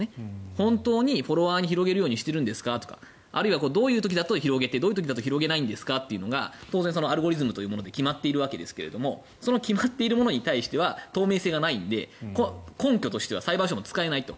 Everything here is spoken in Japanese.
本当にフォロワーに広げるようにしているんですかとかあるいはどういう時に広げてどういう時だと広げないんだということが当然、アルゴリズムというもので決まっているわけですがその決まっているものに対しては透明性がないので根拠としては裁判所も使えないと。